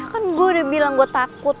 kan gue udah bilang gue takut